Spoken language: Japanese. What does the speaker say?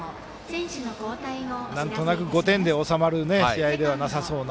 なんとなく５点で収まる試合ではなさそうな